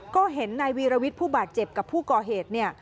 ก็เห็นนายวีรวิทย์ผู้บาดเจ็บกับผู้ก่อเหตุเนี่ย